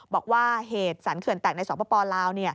บอกว่าเหตุสารเขื่อนแตกในสองพระปอลลาว